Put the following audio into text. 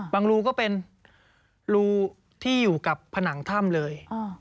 รูก็เป็นรูที่อยู่กับผนังถ้ำเลย